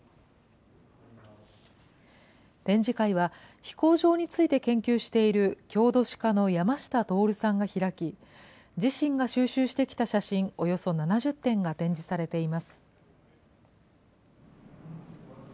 展示会は飛行場について研究している郷土史家の山下徹さんが開き、自身が収集してきた写真およそ７０点が展示されています。